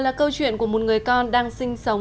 là câu chuyện của một người con đang sinh sống